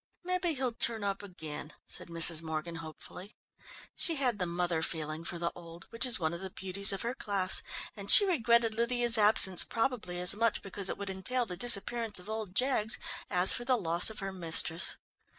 "Maybe he'll turn up again," said Mrs. Morgan hopefully. She had the mother feeling for the old, which is one of the beauties of her class, and she regretted Lydia's absence probably as much because it would entail the disappearance of old Jaggs as for the loss of her mistress.